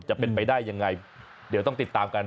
จะเป็นไปได้ยังไงเดี๋ยวต้องติดตามกัน